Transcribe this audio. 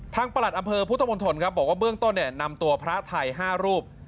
ประหลัดอำเภอพุทธมนตรครับบอกว่าเบื้องต้นนำตัวพระไทย๕รูป